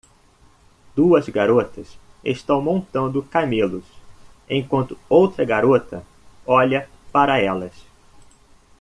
Duas garotas estão montando camelos enquanto outra garota olha para elas.